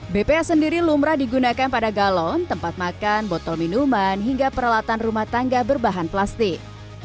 bpa sendiri lumrah digunakan pada galon tempat makan botol minuman hingga peralatan rumah tangga berbahan plastik